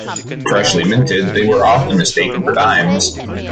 Freshly minted, they were often mistaken for dimes.